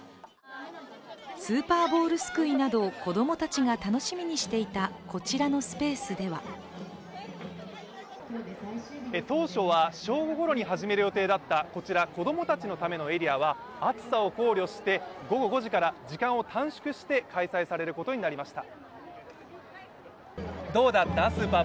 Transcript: スーパーボウルすくいなど子供たちが楽しみにしていた、こちらのスペースでは当初は正午ごろに始める予定だったこちら、子供たちのためのエリアは暑さを考慮して、午後５時から時間を短縮して開催となりました。